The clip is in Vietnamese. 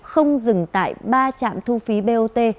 không dừng tại ba trạm thu phí bot